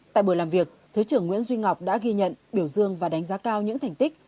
tại buổi làm việc thứ trưởng nguyễn duy ngọc đã ghi nhận biểu dương và đánh giá cao những thành tích